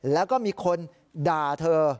แล้วก็มีคนด่าเธอ